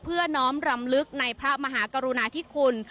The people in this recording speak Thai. น้อมรำลึกในพระมหากรุณาธิคุณ